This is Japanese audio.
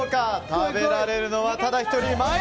食べられるのはただ１人。